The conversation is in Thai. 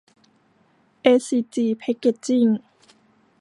เอสซีจี แพคเกจจิ้ง